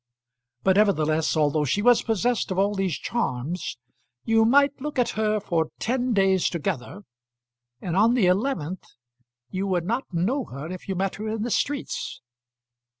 But, nevertheless, although she was possessed of all these charms, you might look at her for ten days together, and on the eleventh you would not know her if you met her in the streets.